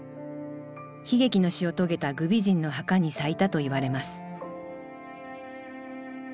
悲劇の死を遂げた虞美人の墓に咲いたといわれます